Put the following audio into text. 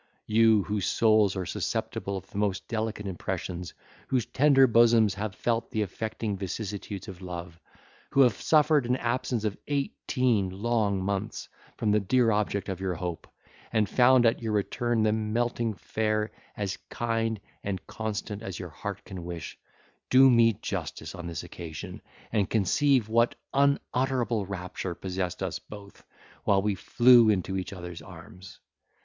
You, whose souls are susceptible of the most delicate impressions, whose tender bosoms have felt the affecting vicissitudes of love, who have suffered an absence of eighteen long months from the dear object of your hope, and found at your return the melting fair as kind and constant as your heart can wish, do me justice on this occasion, and conceive what unutterable rapture possessed us both, while we flew into each other's arms!